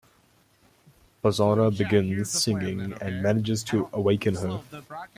Basara begins singing and manages to awaken her.